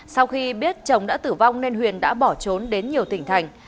sau khi biết chồng đã tử vong nên huyền đã bỏ trốn đến nhiều tỉnh thành